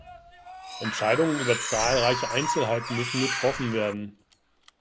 Entscheidungen über zahlreiche Einzelheiten müssen getroffen werden.